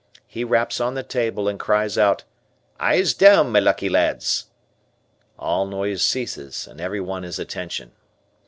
He raps on the table and cries out, "Eyes down, my lucky lads." All noise ceases and everyone is attention.